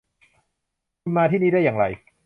คุณมาที่นี่ได้อย่างไร